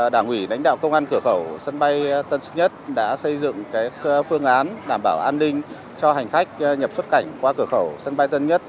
đảng ủy đánh đạo công an cửa khẩu sân bay tân sơn nhất đã xây dựng phương án đảm bảo an ninh cho hành khách nhập xuất cảnh qua cửa khẩu sân bay tân sơn nhất